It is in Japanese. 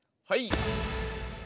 はい！